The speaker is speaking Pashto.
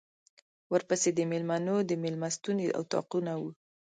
ورپسې د مېلمنو د مېلمستون اطاقونه وو.